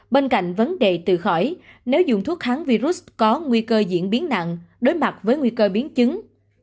bên cạnh vấn đề từ khỏi nếu dùng thuốc kháng virus có nguy cơ diễn biến nặng đối mặt với nguy cơ biến chứng